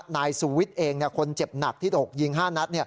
นายสุวิทย์เองคนเจ็บหนักที่ถูกยิง๕นัด